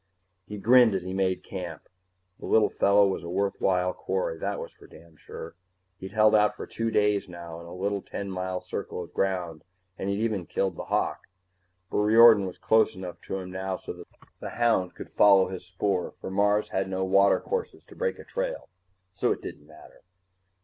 He grinned as he made camp. The little fellow was a worthwhile quarry, that was for damn sure. He'd held out for two days now, in a little ten mile circle of ground, and he'd even killed the hawk. But Riordan was close enough to him now so that the hound could follow his spoor, for Mars had no watercourses to break a trail. So it didn't matter.